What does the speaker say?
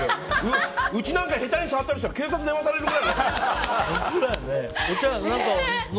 うちなんか下手に触ったりしたら警察電話されるぐらいの。